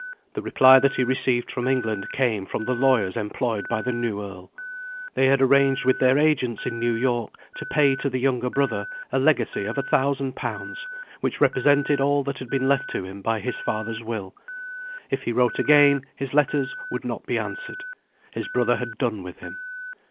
The reply that he received from England came from the lawyers employed by the new Earl. They had arranged with their agents in New York to pay to the younger brother a legacy of a thousand pounds, which represented all that had been left to him by his father's will. If he wrote again his letters would not be answered; his brother had done with him.